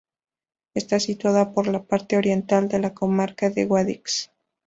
Está situada en la parte oriental de la comarca de Guadix.